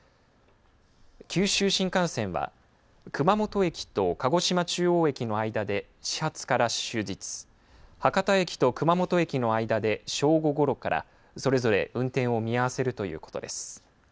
九州新幹線は熊本駅と鹿児島中央駅の間で始発から終日博多駅と熊本駅の間で正午ごろからそれぞれ運転を見合わせるということです。